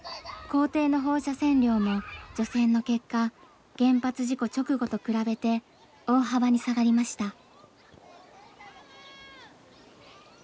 校庭の放射線量も除染の結果原発事故直後と比べて大幅に下がりました。